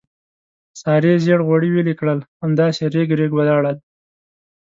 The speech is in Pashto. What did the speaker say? سارې زېړ غوړي ویلې کړل، همداسې رېګ رېګ ولاړل.